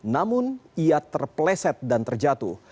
namun ia terpleset dan terjatuh